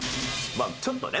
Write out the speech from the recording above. まあちょっとね。